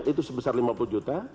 itu sebesar lima puluh juta